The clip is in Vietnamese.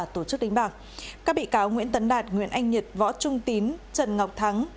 trước đánh bạc các bị cáo nguyễn tấn đạt nguyễn anh nhật võ trung tín trần ngọc thắng